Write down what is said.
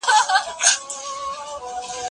زه اوږده وخت ږغ اورم وم؟